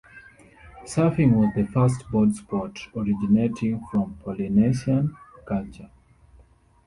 Surfing was the first boardsport, originating from Polynesian culture.